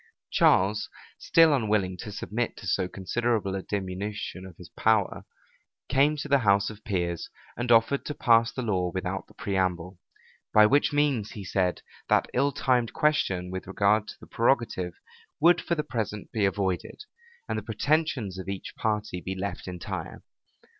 Charles, still unwilling to submit to so considerable a diminution of power, came to the house of peers, and offered to pass the law without the preamble; by which means, he said, that ill timed question with regard to the prerogative would for the present be avoided, and the pretensions of each party be left entire.